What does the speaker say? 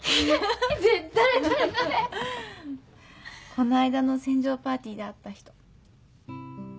この間の船上パーティーで会った人。